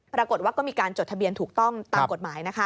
ปรากฏว่าก็มีการจดทะเบียนถูกต้องตามกฎหมาย